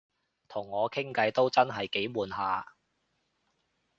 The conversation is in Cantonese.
同我傾偈都真係幾悶下